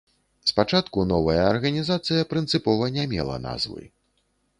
Спачатку новая арганізацыя прынцыпова не мела назвы.